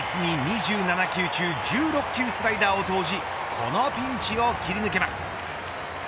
実に２７球中１６球スライダーを投じこのピンチを切り抜けます。